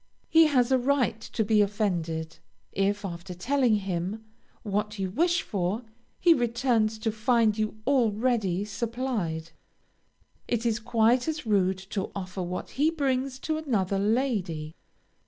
He has a right to be offended, if, after telling him what you wish for, he returns to find you already supplied. It is quite as rude to offer what he brings to another lady.